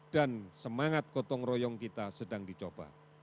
dan semangat kotong royong kita sedang dicoba